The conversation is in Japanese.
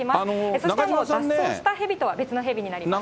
そして脱走したヘビとは別のヘビになります。